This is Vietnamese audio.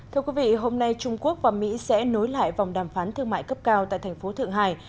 thưa quý vị hôm nay trung quốc và mỹ sẽ nối lại vòng đàm phán thương mại cấp cao tại thành phố thượng hải